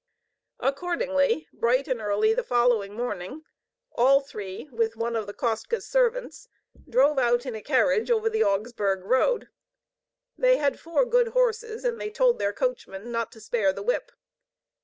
Accordingly, bright and early the following morning, all three, with one of the Kostkas' servants, drove out in a carriage over the Augsburg road. They had four good horses and they told their coachman not to spare the whip.